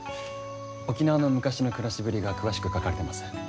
沖縄の昔の暮らしぶりが詳しく書かれてます。